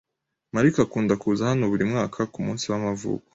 Mariko akunda kuza hano buri mwaka kumunsi w'amavuko